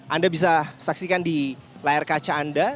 anda bisa saksikan di layar kaca anda